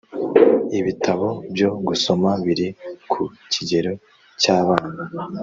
ibitabo byo gusoma biri ku kigero cy’abana.